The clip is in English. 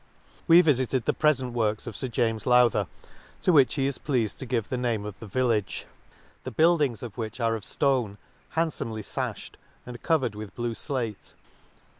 We vifited the prefent works of Sir James Lowther, to which he is pleafed to give the name of The Village ; the build ings of which are of ftone, handfomely fafhed, and covered with blue flate.